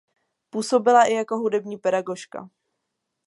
Působila i jako hudební pedagožka.